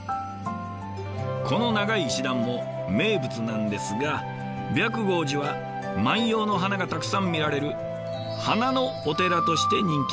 この長い石段も名物なんですが白毫寺は万葉の花がたくさん見られる「花のお寺」として人気があるんですよ。